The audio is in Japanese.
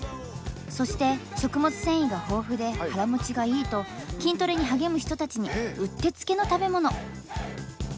そして食物繊維が豊富で腹もちがいいと筋トレに励む人たちにうってつけの食べ物。